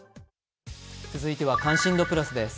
続いては「関心度プラス」です。